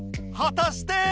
果たして